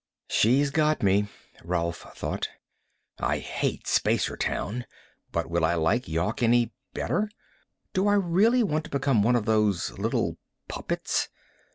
She's got me, Rolf thought. I hate Spacertown, but will I like Yawk any better? Do I really want to become one of those little puppets?